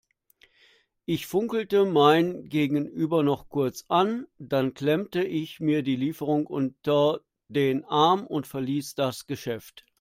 Ich funkelte mein Gegenüber noch kurz an, dann klemmte ich mir die Lieferung unter den Arm und verließ das Geschäft.